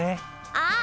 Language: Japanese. ああ！